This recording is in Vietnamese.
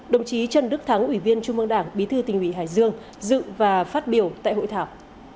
đồng chí trần đức thắng ủy viên trung mương đảng bí thư tỉnh ủy hải dương dự và phát biểu tại hội thảo